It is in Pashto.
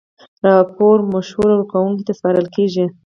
راپور مشوره ورکوونکي ته سپارل کیږي.